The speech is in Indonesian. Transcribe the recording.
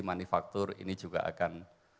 manifaktur ini juga akan